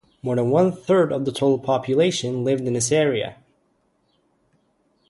More than one-third of the total population lived in this area.